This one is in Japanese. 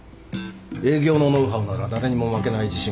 営業のノウハウなら誰にも負けない自信がある。